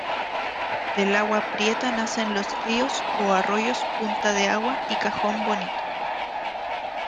Del Agua Prieta nacen los ríos o arroyos Punta de Agua y Cajón Bonito.